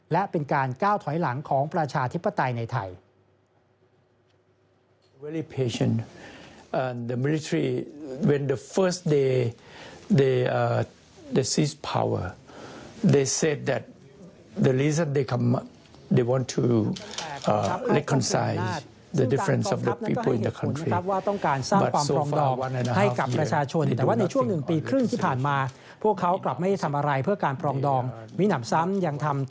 และเป็นการก้าวถอยหลังของประชาธิปไตยในไทย